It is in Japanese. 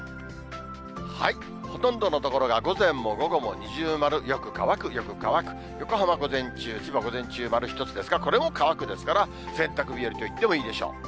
ほとんどの所が午前も午後も二重丸、よく乾く、よく乾く、横浜、午前中、千葉、午前中丸１つですが、これも乾くですから、洗濯日和と言ってもいいでしょう。